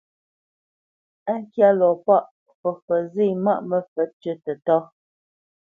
Á ŋkyá lɔ pâʼ, fəfǒt zê maʼ məfǒt tʉ́ tətá.